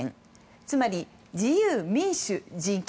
つまり、自由、民主、人権。